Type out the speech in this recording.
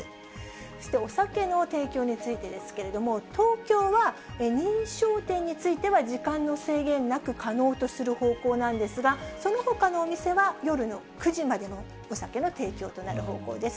そしてお酒の提供についてですけれども、東京は認証店については時間の制限なく可能とする方向なんですが、そのほかのお店は、夜の９時までのお酒の提供となる方向です。